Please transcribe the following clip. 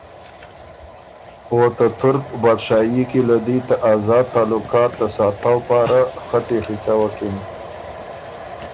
او ته تُرک بادشاهيې کی ته آزاد تعلقات ته ساتؤ پاره خطی ڒیڅوَکِن۔